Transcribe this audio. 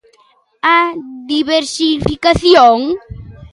¿A diversificación?